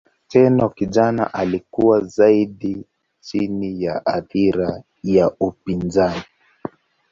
Tenno kijana alikuwa zaidi chini ya athira ya upinzani.